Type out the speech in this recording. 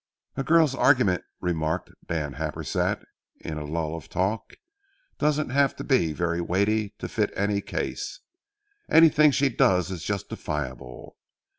"A girl's argument," remarked Dan Happersett in a lull of talk, "don't have to be very weighty to fit any case. Anything she does is justifiable.